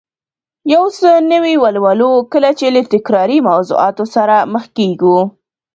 یو څه نوي ولولو، کله چې له تکراري موضوعاتو سره مخ کېږو